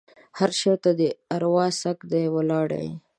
هر شي ته دې اروا څک دی؛ ولاړ يې.